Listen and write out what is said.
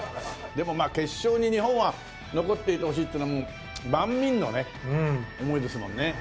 でもまあ決勝に日本は残っていてほしいってのは万人のね思いですもんね。